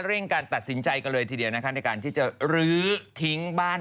เร่งการตัดสินใจก็เลยทีเดียวนะในการที่จะหรือทิ้งบ้าน